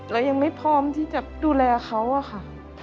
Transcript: เรายังไม่พร้อมที่จะดูแลเขาอะค่ะ